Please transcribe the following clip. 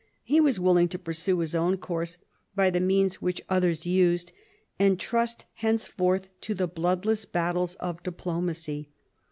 He was willing to pursue his own course by the means which others used, and trust henceforth to the bloodless battles of diplomacy.